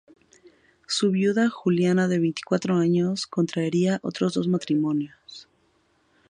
Su viuda, Juliana, de veinticuatro años, contraería otros dos matrimonios.